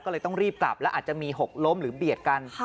ก็เลยต้องรีบกลับแล้วอาจจะมีหกล้มหรือเบียดกัน